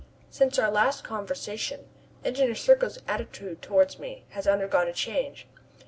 Since our last conversation, Engineer Serko's attitude towards me has undergone a change.